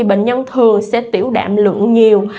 bệnh nhân thường sẽ tiểu đạm lượng nhiều